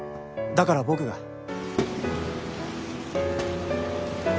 だから僕が。